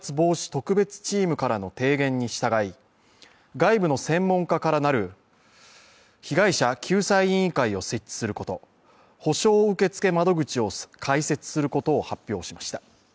特別チームからの提言に従い外部の専門家から成る被害者救済委員会を設置すること、補償受付窓口を開設することを発表しました。